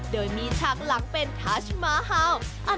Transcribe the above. โดยมีฉากหลังเป็นทัชมาฮาวส์